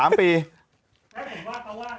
นั่นแหละเพราะว่าเด็กนี่มันติดฝวกไง๓๖แล้วเป็นลุง